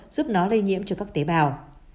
giúp nó lây nhiễm cho các tế bào